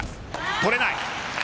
取れない。